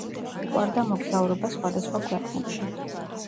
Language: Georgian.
უყვარდა მოგზაურობა სხვადასხვა ქვეყნებში.